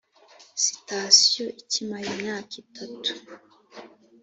sitasiyo ikamara imyaka itatu